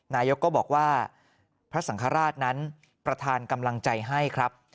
นายกก็บอกว่าพระสังฆราชนั้นประธานกำลังใจให้ครับ